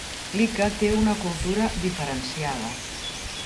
Lika té una cultura diferenciada.